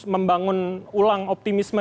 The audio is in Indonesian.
membangun ulang optimisme